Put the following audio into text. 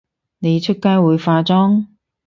你出街會化妝？